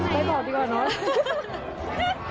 ไม่บอกดีกว่าเนอะ